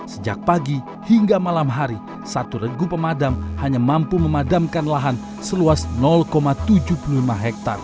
sejak pagi hingga malam hari satu regu pemadam hanya mampu memadamkan lahan seluas tujuh puluh lima hektare